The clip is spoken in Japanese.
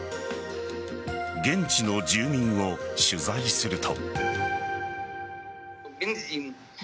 現地の住民を取材すると。